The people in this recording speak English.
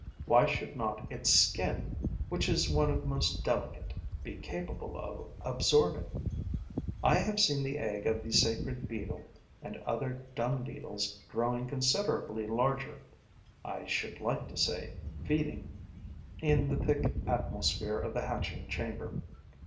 Why should not its skin, which is one of the most delicate, be capable of absorbing? I have seen the egg of the sacred beetle and other dung beetles growing considerably larger I should like to say, feeding in the thick atmosphere of the hatching chamber.